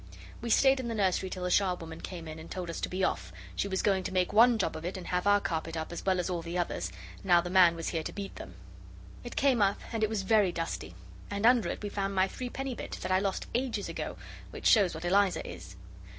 We stayed in the nursery till the charwoman came in and told us to be off she was going to make one job of it, and have our carpet up as well as all the others, now the man was here to beat them. It came up, and it was very dusty and under it we found my threepenny bit that I lost ages ago, which shows what Eliza is.